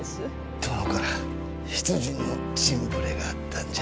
殿から出陣の陣触れがあったんじゃ。